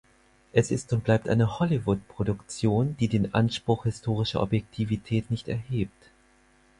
Es ist und bleibt eine „Hollywood-Produktion“, die den Anspruch historischer Objektivität nicht erhebt.